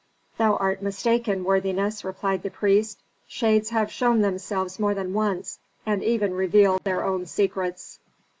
"Thou art mistaken, worthiness," replied the priest. "Shades have shown themselves more than once, and even revealed their own secrets.